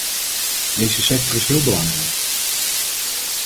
Deze sector is heel belangrijk.